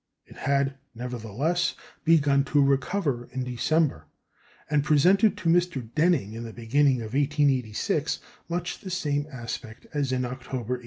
It had, nevertheless, begun to recover in December, and presented to Mr. Denning in the beginning of 1886 much the same aspect as in October, 1882.